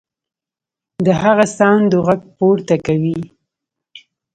د هغو ساندو غږ پورته کوي.